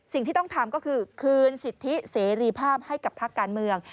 สิ่งที่ต้องทำก็คือคืนสิทธิเสรีภาพให้กับภาคการเมือง